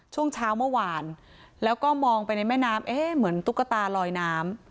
ช่วงเช้าเมื่อวานแล้วก็มองไปในแม่น้ำเอ๊ะเหมือนตุ๊กตาลอยน้ำ